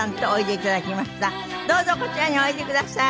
どうぞこちらにおいでください。